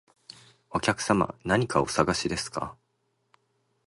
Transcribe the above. お客様、何かお探しですか？